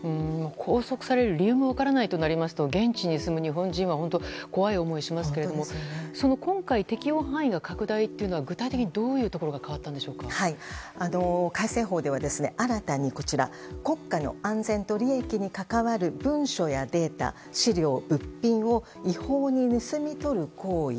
拘束される理由も分からないとなりますと現地に住む日本人は怖い思いをしますけれども今回、適用範囲というのは具体的にどういうところが改正法では新たに国家の安全と利益に関わる文書やデータ、資料、物品を違法に盗み取る行為。